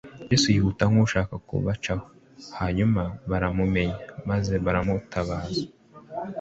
Yesu yihuta nk'ushaka kubacaho; hanyuma baramumenya, maze baramutabaza.